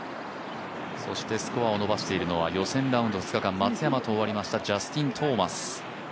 そしてスコアを伸ばしているのは予選ラウンド２日間、松山と回りましたジャスティン・トーマス。